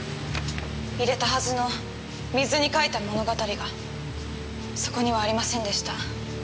入れたはずの『水に書いた物語』がそこにはありませんでした。